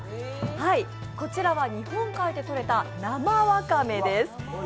こちらは日本海でとれた生わかめです。